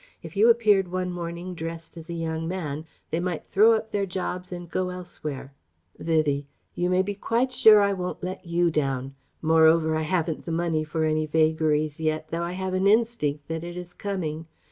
If you appeared one morning dressed as a young man they might throw up their jobs and go elsewhere..." Vivie: "You may be quite sure I won't let you down. Moreover I haven't the money for any vagaries yet, though I have an instinct that it is coming.